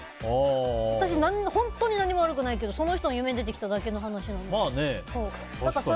私、本当に何も悪くないけどその人の夢に出てきただけの話なので。